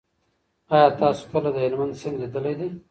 آیا تاسو کله د هلمند سیند لیدلی دی؟